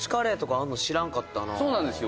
そうなんですよ